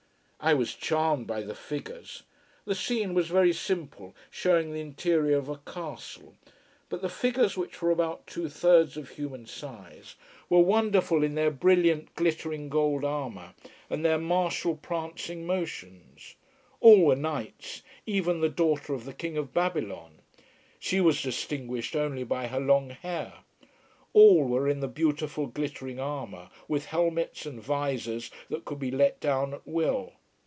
I was charmed by the figures. The scene was very simple, showing the interior of a castle. But the figures, which were about two thirds of human size, were wonderful in their brilliant, glittering gold armour, and their martial prancing motions. All were knights even the daughter of the king of Babylon. She was distinguished only by her long hair. All were in the beautiful, glittering armour, with helmets and visors that could be let down at will.